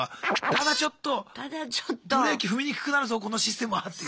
ただちょっとブレーキ踏みにくくなるぞこのシステムはっていう。